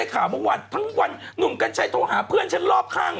กรุงกันใช่โทรหาเพื่อนฉันรอบข้าง